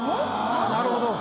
なるほど。